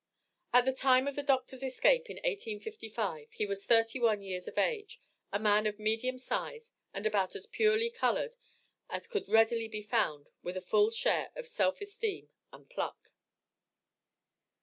At the time of the doctor's escape, in 1855, he was thirty one years of age, a man of medium size, and about as purely colored, as could readily be found, with a full share of self esteem and pluck.